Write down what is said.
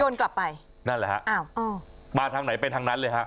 นั่นแหละฮะมาทางไหนไปทางนั้นเลยฮะ